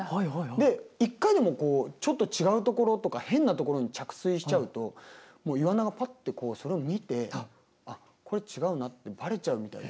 で一回でもちょっと違う所とか変な所に着水しちゃうともうイワナがパッてそれを見てこれ違うなってバレちゃうみたいで。